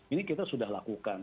ini kita sudah lakukan